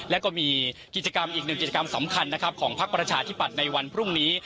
และก็มีกิจกรรมอีกหนึ่งกิจกรรมสำคัญนะครับของพักประชาธิปัตย์ในวันพรุ่งนี้